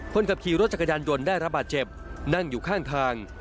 คนขับขี่รถจักรยานยนต์ได้ระบาดเจ็บนั่งอยู่ข้างทาง